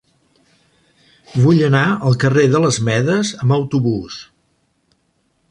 Vull anar al carrer de les Medes amb autobús.